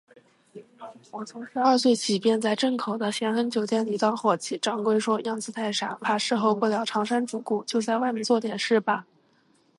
我从十二岁起，便在镇口的咸亨酒店里当伙计，掌柜说，样子太傻，怕侍候不了长衫主顾，就在外面做点事罢。